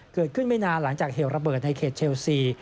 เกิดขึ้นไม่นานหลังจากเหลวระเบิดในเขตเชลซี